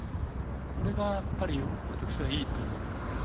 これがやっぱり私はいいと思っています。